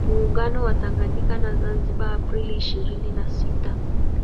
Muungano wa Tanganyika na Zanzibar Aprili ishirini na sita